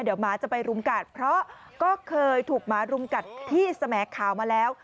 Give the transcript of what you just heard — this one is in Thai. เดี๋ยวหมาจะไปรุมกัดเพราะก็เคยถูกหมารุมกัดที่แสมข่าวมาแล้ว